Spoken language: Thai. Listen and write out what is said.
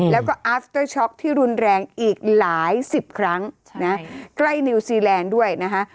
แล้วก็อัสเตอร์ช็อกที่รุนแรงอีกหลายสิบครั้งใกล้นิวซีแลนด์ด้วยนะคะ